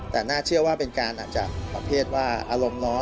แต่น่าเชื่อว่าเป็นการอาจจะประเภทว่าอารมณ์น้อย